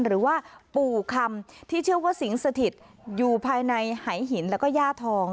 หรือว่าปู่คำที่เชื่อว่าสิงสถิตอยู่ภายในหายหินแล้วก็ย่าทอง